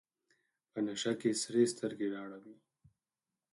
په نشه کې سرې سترګې رااړوي.